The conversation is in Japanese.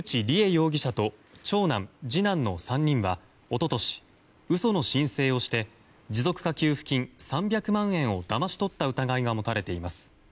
容疑者と長男、次男の３人は一昨年、嘘の申請をして持続化給付金３００万円をだまし取った疑いが持たれています。